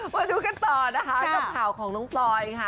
มาดูกันต่อนะคะกับข่าวของน้องพลอยค่ะ